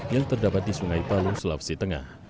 yang terdapat di sungai palu sulawesi tengah